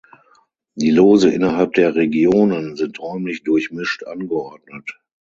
Die Lose innerhalb der Regionen sind räumlich durchmischt angeordnet.